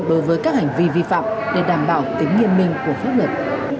đối với các hành vi vi phạm để đảm bảo tính nghiêm minh của pháp luật